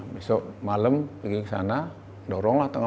bustaman sempat menjadi pedagang asongan